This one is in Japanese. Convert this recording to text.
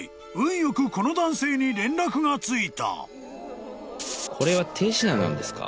よくこの男性に連絡がついた］